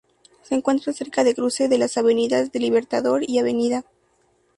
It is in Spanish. Se encuentra cerca del cruce de las avenidas del Libertador y Av.